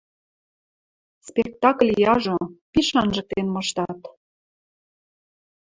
— Спектакль яжо, пиш анжыктен мыштат.